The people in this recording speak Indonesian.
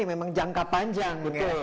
ya memang jangka panjang